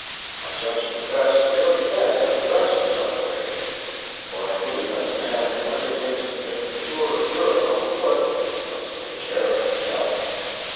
I judged it best to go to bed and rest several days, for I knew that the man who undertakes to make the tour of Europe on foot must take care of himself.